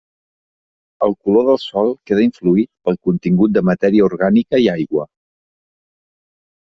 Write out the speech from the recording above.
El color del sol queda influït pel contingut de matèria orgànica i aigua.